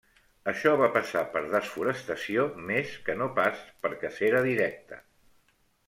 Això va passar per desforestació més que no pas per cacera directa.